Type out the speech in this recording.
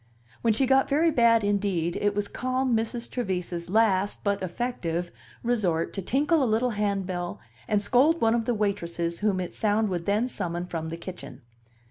When she got very bad indeed, it was calm Mrs. Trevise's last, but effective, resort to tinkle a little handbell and scold one of the waitresses whom its sound would then summon from the kitchen.